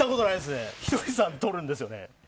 ひとりさん、とるんですよね。